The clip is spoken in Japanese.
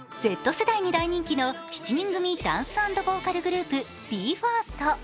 Ｚ世代に大人気の７人組ダンス＆ボーカルグループ、ＢＥ：ＦＩＲＳＴ。